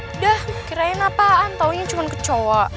udah kirain apaan taunya cuma kecewa